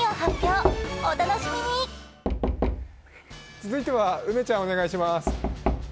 続いては、梅ちゃんお願いします。